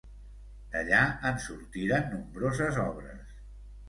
D'allà en sortiren nombroses obres.